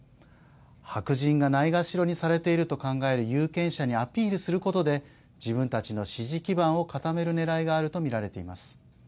白人が、ないがしろにされていると考える有権者にアピールすることで自分たちの支持基盤を固めるねらいがあると見られています。